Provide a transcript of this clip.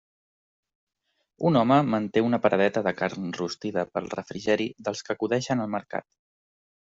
Un home manté una paradeta de carn rostida per al refrigeri dels que acudeixen al mercat.